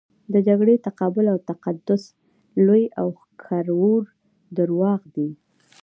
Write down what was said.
د جګړې تقابل او تقدس لوی او ښکرور درواغ دي.